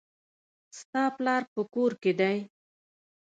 ستا پلار په کور کښي دئ.